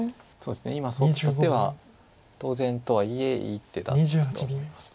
今ソッた手は当然とはいえいい手だったと思います。